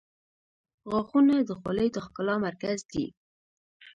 • غاښونه د خولې د ښکلا مرکز دي.